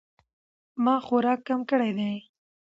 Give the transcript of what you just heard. ما خوراک کم کړی دی